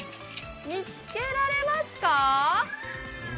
見つけられますか？